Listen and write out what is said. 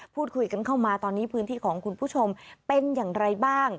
พูดคุยกันเข้ามาตอนนี้พื้นที่ของคุณผู้ชมเป็นอย่างไรบ้าง